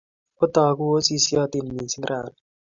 Otogu osisyotin missing' rani